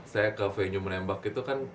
saya ke venue menembak itu kan